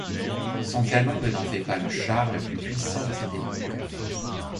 Son canon de n'en fait pas le char le plus puissant de cette époque.